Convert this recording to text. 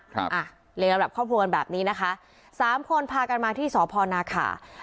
ครับอ่ะเรียนระดับครอบครัวกันแบบนี้นะคะสามคนพากันมาที่สพนาขา